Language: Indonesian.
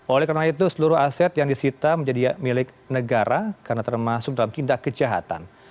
oleh karena itu seluruh aset yang disita menjadi milik negara karena termasuk dalam tindak kejahatan